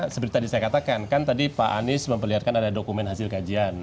seperti tadi saya katakan kan tadi pak anies memperlihatkan ada dokumen hasil kajian